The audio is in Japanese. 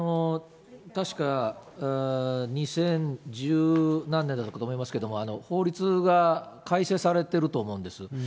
確か、二千十何年だったかと思いますけど、法律が改正されてると思うんです。